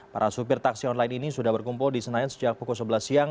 para supir taksi online ini sudah berkumpul di senayan sejak pukul sebelas siang